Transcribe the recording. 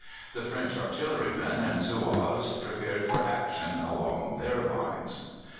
The French artillerymen and Zouaves prepared for action along their lines.